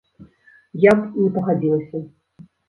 Я б не пагадзілася.